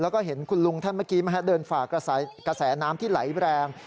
แล้วก็เห็นคุณลุงท่านเมื่อกี้เดินฝ่ากระแสน้ำที่ไหลแรง